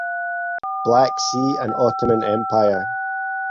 Black Sea and Ottoman Empire.